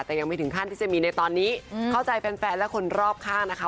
แต่ยังไม่ถึงขั้นที่จะมีในตอนนี้เข้าใจแฟนและคนรอบข้างนะคะ